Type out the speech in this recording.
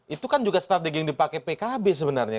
itu kan juga strategi yang dipakai pkb sebenarnya